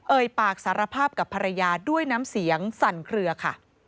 ปากสารภาพกับภรรยาด้วยน้ำเสียงสั่นเคลือค่ะ